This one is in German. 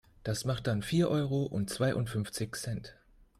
Das macht dann vier Euro und zweiundfünfzig Cent.